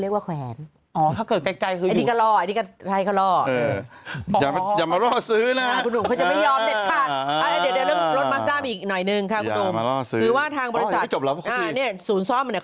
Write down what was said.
แล้วคุณอย่ามาลออสือถามผมแบบนี้